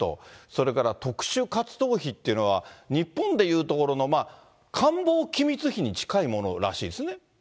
それから特殊活動費というのは、日本でいうところの官房機密費に近いものらしいですね。